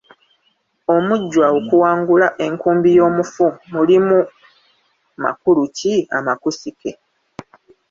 Omujjwa okuwangula enkumbi y’omufu mulimu makulu ki amakusike?